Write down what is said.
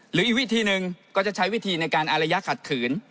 หรืออีกวิธีหนึ่งก็จะใช้วิธีในการอารยะขัดขืน